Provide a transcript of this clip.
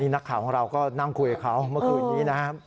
นักข่าวของเราก็นั่งคุยกับเขาเมื่อคืนนี้นะครับ